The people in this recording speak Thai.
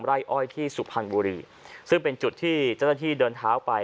ไล่อ้อยที่สุภัณฑ์บุรีซึ่งเป็นจุดที่เจ้าท่านที่เดินเท้าไป